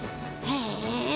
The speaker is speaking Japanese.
へえ！